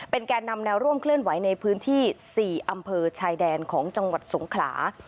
แก่นำแนวร่วมเคลื่อนไหวในพื้นที่๔อำเภอชายแดนของจังหวัดสงขลา